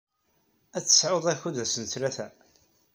Ad tesɛud akud ass n ttlata?